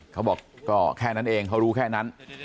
เขาบอกก็แค่นั้นเองเขารู้แค่นั้น